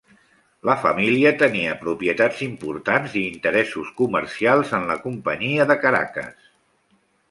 La família tenia propietats importants i interessos comercials en la Companyia de Caracas.